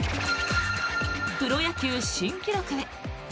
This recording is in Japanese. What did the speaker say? プロ野球新記録へ。